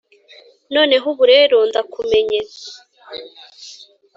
noneho ubu rero ndakumenye